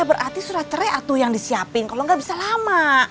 berarti surat cerai yang disiapin kalau enggak bisa lama